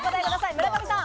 村上さん。